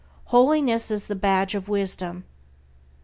Holiness is the badge of wisdom.